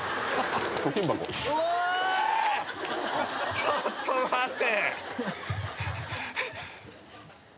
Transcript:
ちょっと待て！